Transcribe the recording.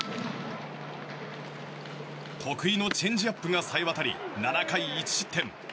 得意のチェンジアップがさえ渡り７回１失点。